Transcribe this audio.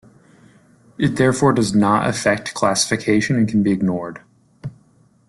It therefore does not affect classification and can be ignored.